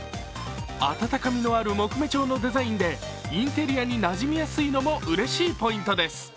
温かみのある木目調のデザインでインテリアになじみやすいのも、うれしいポイントです。